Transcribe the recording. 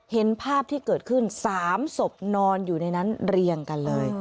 เห็นภาพที่เกิดขึ้น๓ศพนอนอยู่ในนั้นเรียงกันเลย